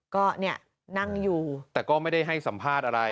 ก็เนี่ยนั่งอยู่แต่ก็ไม่ได้ให้สัมภาษณ์อะไร